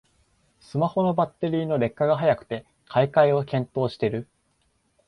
スマホのバッテリーの劣化が早くて買い替えを検討してる